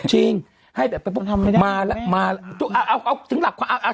จริงให้แบบไปปุ๊บมาแล้วมาเอาถึงหลักความเอา